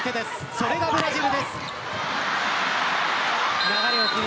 それがブラジルです。